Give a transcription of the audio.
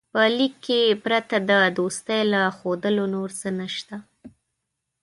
په لیک کې پرته د دوستۍ له ښودلو نور څه نسته.